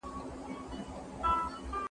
د امام غزالي نظر خورا ارزښتمن دی.